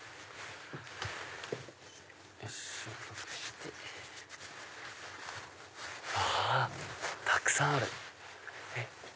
うわたくさんある。